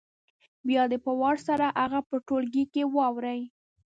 بیا دې په وار سره هغه په ټولګي کې واوروي